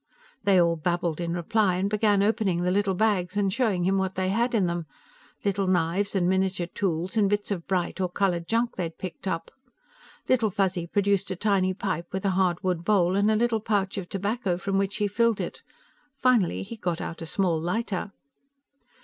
They all babbled in reply and began opening the little bags and showing him what they had in them little knives and miniature tools and bits of bright or colored junk they had picked up. Little Fuzzy produced a tiny pipe with a hardwood bowl, and a little pouch of tobacco from which he filled it. Finally, he got out a small lighter.